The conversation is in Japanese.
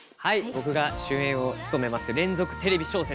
僕が主演を務めます連続テレビ小説